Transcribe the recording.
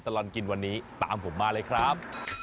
ตลอดกินวันนี้ตามผมมาเลยครับ